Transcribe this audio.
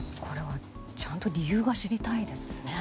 これはちゃんと理由が知りたいですね。